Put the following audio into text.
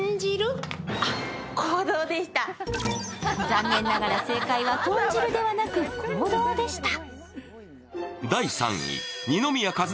残念ながら正解はとん汁ではなく行動でした。